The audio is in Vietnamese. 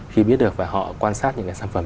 khi biết được và họ quan sát những cái sản phẩm